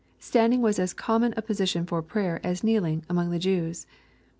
Standing was as common a position for prayer as kneeling, among the Jews.